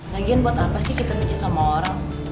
lagian buat apa sih kita mikir sama orang